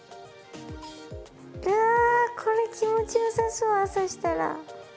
いやこれ気持ちよさそう朝したら。